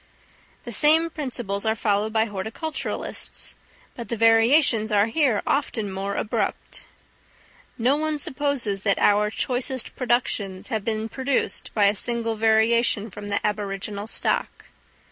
The same principles are followed by horticulturists; but the variations are here often more abrupt. No one supposes that our choicest productions have been produced by a single variation from the aboriginal stock.